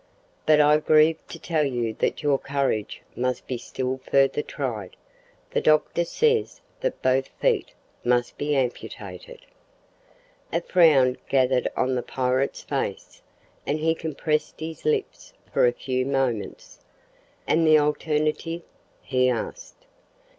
"But I grieve to tell you that your courage must be still further tried. The doctor says that both feet must be amputated." A frown gathered on the pirate's face, and he compressed his lips for a few moments. "And the alternative?" he asked.